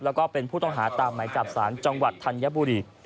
แล้วก็เป็นผู้ต้องหาตามหมายจับสารจังหวัดธัญบุรี